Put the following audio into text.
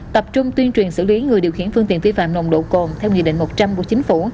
tập trung tuyên truyền xử lý người điều khiển phương tiện vi phạm nồng độ cồn theo nghị định một trăm linh của chính phủ